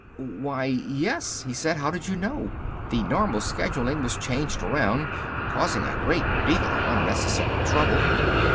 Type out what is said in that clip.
"Why, yes," he said. "How did you know? The normal scheduling was changed around, causing a great deal of unnecessary trouble."